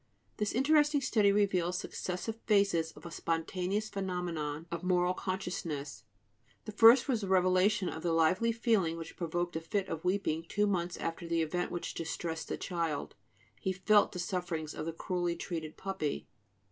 This interesting study reveals successive phases of a spontaneous phenomenon of moral consciousness: the first was the revelation of the lively feeling which provoked a fit of weeping two months after the event which distressed the child: he felt the sufferings of the cruelly treated puppy.